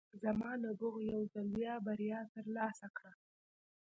زما نبوغ یو ځل بیا بریا ترلاسه کړه